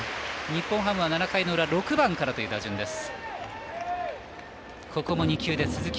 日本ハムは７回の裏６番からの打順です。